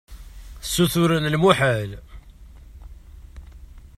Ssuturen lmuḥal.